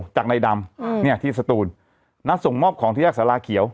จากในดำอืมเนี้ยที่สะตูดน่ะส่งมอบของทฤหัสศาลาเขียว